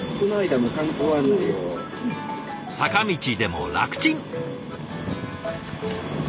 坂道でも楽ちん。